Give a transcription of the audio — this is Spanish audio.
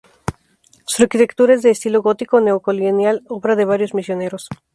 Su arquitectura es de estilo gótico neocolonial, obra de varios misioneros.